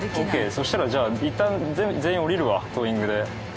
そしたらじゃあいったん全員降りるわトーイングで。